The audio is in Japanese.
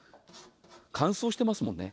乾燥してますもんね。